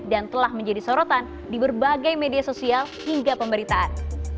dan telah menjadi sorotan di berbagai media sosial hingga pemberitaan